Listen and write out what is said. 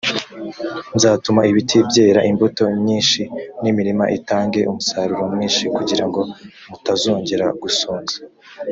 nzatuma ibiti byera imbuto nyinshi n’imirima itange umusaruro mwinshi kugira ngo mutazongera gusonza